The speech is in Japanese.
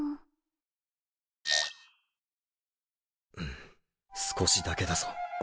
ん少しだけだぞ。